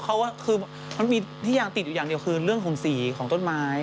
เพราะว่าคือมันมีที่ยางติดอยู่อย่างเดียวคือเรื่องของสีของต้นไม้